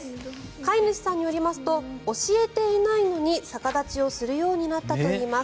飼い主さんによりますと教えていないのに逆立ちをするようになったといいます。